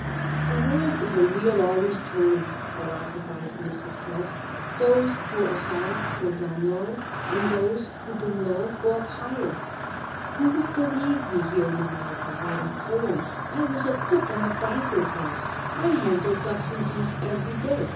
"The world is a wheel always turning," philosophized Mrs. Pelz. "Those who were high go down low, and those who've been low go up higher. Who will believe me here in America that in Poland I was a cook in a banker's house? I handled ducks and geese every day.